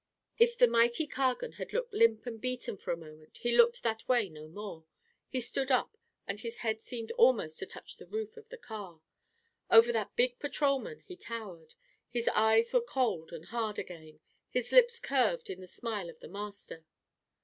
If the mighty Cargan had looked limp and beaten for a moment he looked that way no more. He stood up, and his head seemed almost to touch the roof of the car. Over that big patrolman he towered; his eyes were cold and hard again; his lips curved in the smile of the master.